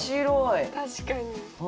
確かに。